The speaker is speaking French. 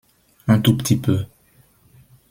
Un tout petit peu.